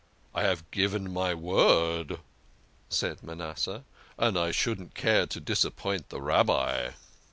"I have given my word," said Manasseh, "and I shouldn't care to disappoint the Rabbi."